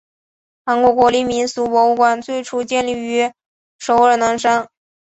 韩国国立民俗博物馆最初建于首尔南山。